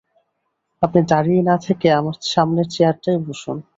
আপনি দাঁড়িয়ে না-থেকে আমার সামনের চেয়ারটায় বসুন।